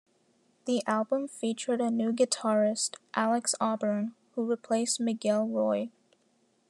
The album featured a new guitarist, Alex Auburn, who replaced Miguel Roy.